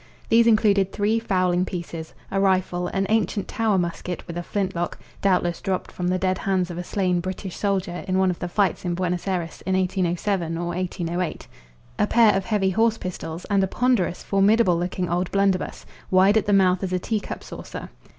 These included three fowling pieces, a rifle, an ancient Tower musket with a flint lock doubtless dropped from the dead hands of a slain British soldier in one of the fights in Buenos Ayres in 1807 or 1808; a pair of heavy horse pistols, and a ponderous, formidable looking old blunderbuss, wide at the mouth as a tea cup saucer.